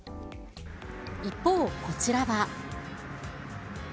一方、こちらは。